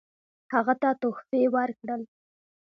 هغه ته تحفې ورکړل.